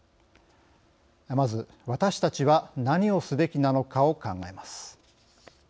まず私たちは何をすべきなのかを考えます。